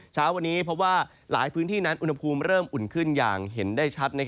เช้าวันนี้เพราะว่าหลายพื้นที่นั้นอุณหภูมิเริ่มอุ่นขึ้นอย่างเห็นได้ชัด